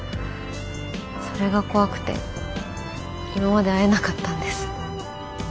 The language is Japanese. それが怖くて今まで会えなかったんです。